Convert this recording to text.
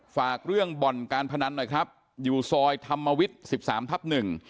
ฝากเรื่องบ่อนการพนันหน่อยครับอยู่ซอยธรรมวิทย์สิบสามทับหนึ่ง